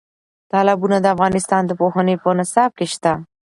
تالابونه د افغانستان د پوهنې په نصاب کې شته.